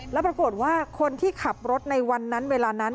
แล้วปรากฏว่าคนที่ขับรถในวันนั้นเวลานั้น